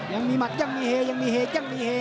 ยังมีเหยังมีเห